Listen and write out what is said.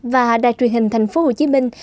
và đài truyền hình thành phố hồ chí minh